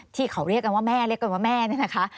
ที่เขาเรียกกันว่าแม่เรียกกันว่าแม่เนี่ยนะคะ